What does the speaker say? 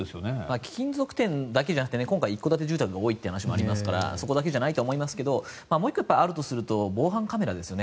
貴金属店だけじゃなくて今回、一戸建て住宅も多いという話もありますからそこだけじゃないと思いますがもう１個あるとすると防犯カメラですよね。